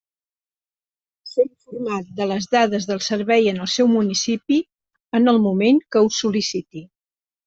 Ser informat de les dades del servei en el seu municipi, en el moment que ho sol·liciti.